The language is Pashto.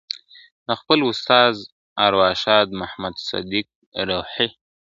د خپل استاد ارواښاد محمد صدیق روهي ..